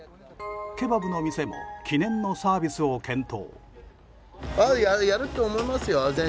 ケバブの店も記念のサービスを検討。